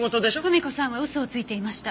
ふみ子さんは嘘をついていました。